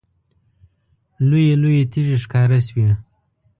لویې لویې تیږې ښکاره شوې.